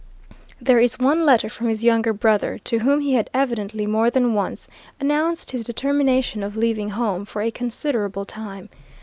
There is one letter from his younger brother, to whom he had evidently, more than once, announced his determination of leaving home for a considerable time.